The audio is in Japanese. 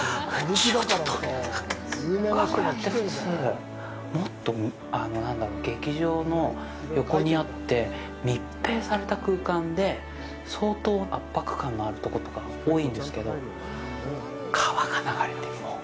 楽屋って、普通、もっと、なんだろう、劇場の横にあって、密閉された空間で、相当、圧迫感のあるとことか多いんですけど、川が流れてる、もう！